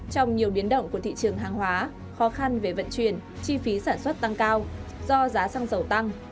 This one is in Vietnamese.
trong nhiều biến động của thị trường hàng hóa khó khăn về vận chuyển chi phí sản xuất tăng cao do giá xăng dầu tăng